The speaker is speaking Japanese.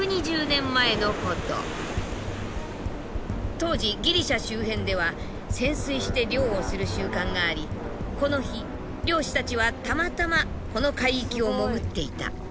当時ギリシャ周辺では潜水して漁をする習慣がありこの日漁師たちはたまたまこの海域を潜っていた。